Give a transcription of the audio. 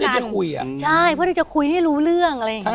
เพื่อที่จะคุยอะใช่เพื่อที่จะคุยให้รู้เรื่องอะไรอย่างเงี้ย